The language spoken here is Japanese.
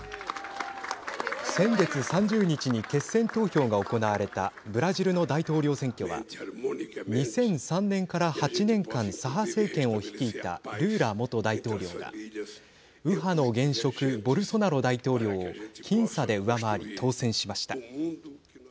先月３０日に決選投票が行われたブラジルの大統領選挙は２００３年から８年間左派政権を率いたルーラ元大統領が右派の現職ボルソナロ大統領を僅差で上回り当選しました。